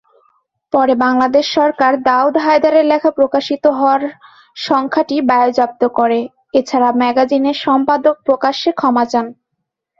পরে বাংলাদেশ সরকার দাউদ হায়দারের লেখা প্রকাশিত হওয়ার সংখ্যাটি বাজেয়াপ্ত করে, এছাড়া ম্যাগাজিনের সম্পাদক প্রকাশ্যে ক্ষমা চান।